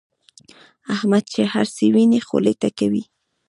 احمد چې هرڅه ویني خولې ته کوي یې.